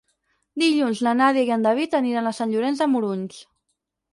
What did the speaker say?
Dilluns na Nàdia i en David aniran a Sant Llorenç de Morunys.